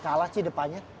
kalah cik depannya